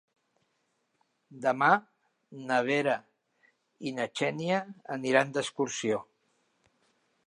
Demà na Vera i na Xènia aniran d'excursió.